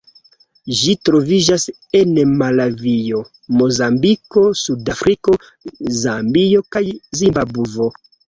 Ĝi troviĝas en Malavio, Mozambiko, Sudafriko, Zambio kaj Zimbabvo.